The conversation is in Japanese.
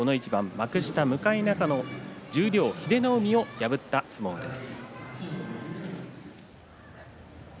幕下向中野が英乃海に勝った相撲です。